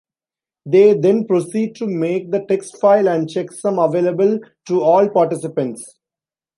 They then proceed to make the text file and checksum available to all participants.